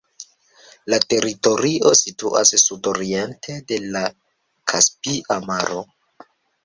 La teritorio situas sudoriente de la Kaspia Maro.